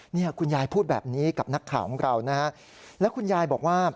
เนี่ยคุณยายพูดแบบนี้กับนักข่าวของเรานะฮะแล้วคุณยายบอกว่า